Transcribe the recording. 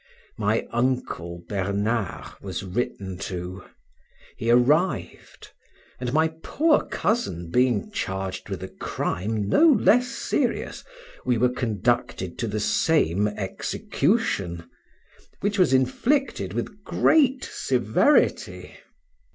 My uncle Bernard was written to; he arrived; and my poor cousin being charged with a crime no less serious, we were conducted to the same execution, which was inflicted with great severity.